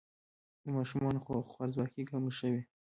د ماشومانو خوارځواکي کمه شوې؟